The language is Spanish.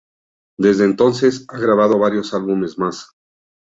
Desde entonces ha grabado varios álbumes más.